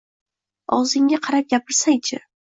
Og`zingga qarab gapirsang-chi